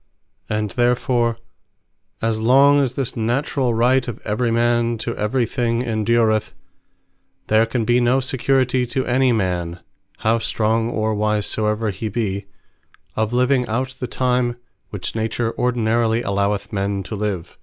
And therefore, as long as this naturall Right of every man to every thing endureth, there can be no security to any man, (how strong or wise soever he be,) of living out the time, which Nature ordinarily alloweth men to live.